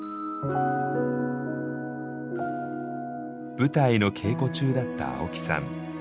舞台の稽古中だった青木さん。